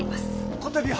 こたびは。